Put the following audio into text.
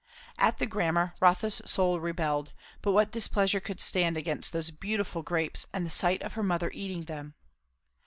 At the grammar Rotha's soul rebelled; but what displeasure could stand against those beautiful grapes and the sight of her mother eating them?